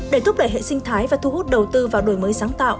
để thúc đẩy hệ sinh thái và thu hút đầu tư vào đổi mới sáng tạo